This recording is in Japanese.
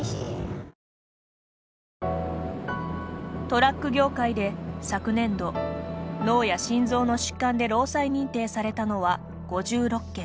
トラック業界で昨年度脳や心臓の疾患で労災認定されたのは５６件。